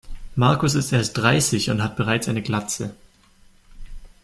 Markus ist erst dreißig und hat bereits eine Glatze.